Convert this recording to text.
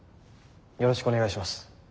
よろしくお願いします。